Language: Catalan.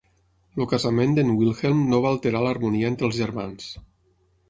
El casament d'en Wilhelm no va alterar l'harmonia entre els germans.